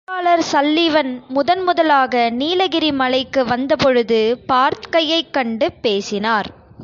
திருவாளர் சல்லிவன் முதன் முதலாக நீலகிரி மலைக்கு வந்தபொழுது, பார்த்கையைக் கண்டு பேசினார்.